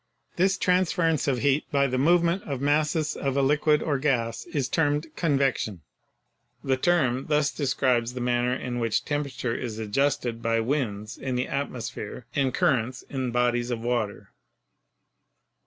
This transference of heat by the movement of masses of a liquid or gas is termed "convection." The term thus describes the man ner in which temperature is adjusted by winds in the at mosphere and currents in bodies of water.